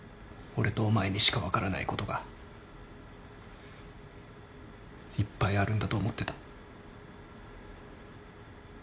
俺とお前にしか分からないことがいっぱいあるんだと思ってた。